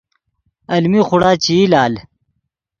المی خوڑا چے ای لال